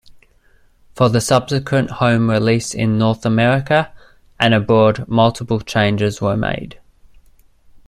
For the subsequent home release in North America and abroad, multiple changes were made.